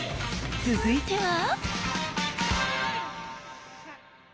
続いては。